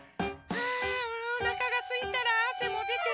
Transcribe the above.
あおなかがすいたらあせもでて。